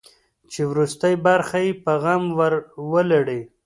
چې وروستۍ برخه یې په غم ور ولړي.